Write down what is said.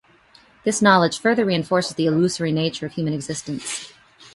This knowledge further reinforces the illusory nature of human existence.